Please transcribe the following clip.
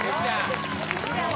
ゆきちゃん